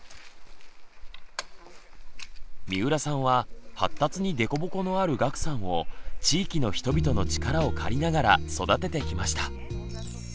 三浦さんは発達に凸凹のある岳さんを地域の人々の力を借りながら育ててきました。